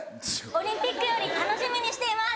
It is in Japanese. オリンピックより楽しみにしています。